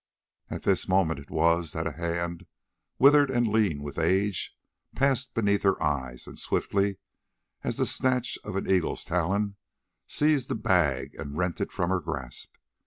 At this moment it was that a hand, withered and lean with age, passed beneath her eyes, and, swiftly as the snatch of an eagle's talon, seized the bag and rent it from her grasp.